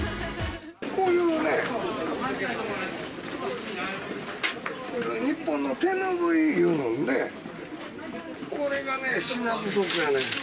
こういうね、日本の手拭いいうのんね、これがね、品不足やねん。